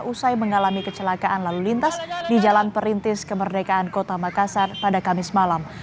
usai mengalami kecelakaan lalu lintas di jalan perintis kemerdekaan kota makassar pada kamis malam